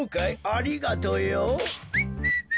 ありがとよ。